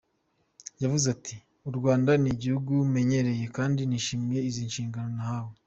Yagize ati “U Rwanda ni igihugu menyereye, kandi nishimiye izi nshingano nahawe.